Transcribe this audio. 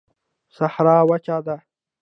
صحرا وچه ده